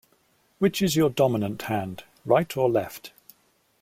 Which is your dominant hand, right or left?